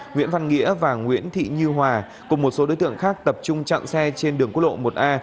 nguyễn văn nghĩa và nguyễn thị như hòa cùng một số đối tượng khác tập trung chặn xe trên đường quốc lộ một a